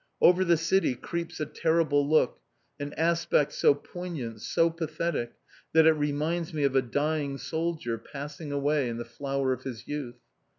Over the city creeps a terrible look, an aspect so poignant, so pathetic, that it reminds me of a dying soldier passing away in the flower of his youth.